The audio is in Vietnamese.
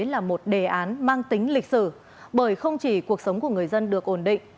là một đề án mang tính lịch sử bởi không chỉ cuộc sống của người dân được ổn định